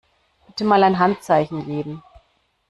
Bitte mal ein Handzeichen geben.